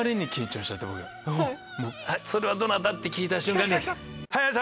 「それはどなた？」って聞いた瞬間「○△□×☆※！」。